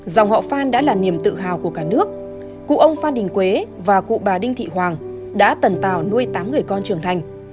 dòng họ phan đã là niềm tự hào của cả nước cụ ông phan đình quế và cụ bà đinh thị hoàng đã tần tàu nuôi tám người con trưởng thành